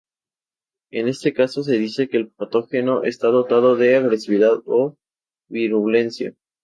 En este caso se dice que el patógeno está dotado de agresividad o virulencia.